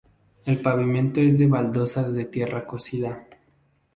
El pavimento es de baldosas de tierra cocida.